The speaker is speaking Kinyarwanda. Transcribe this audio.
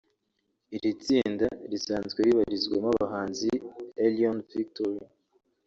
Iri tsinda risanzwe ribarizwamo abahanzi Elion Victory